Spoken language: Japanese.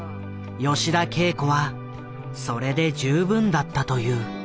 吉田恵子はそれで十分だったという。